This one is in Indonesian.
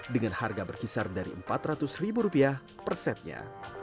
dengan harga berkisar dari rp empat ratus persetnya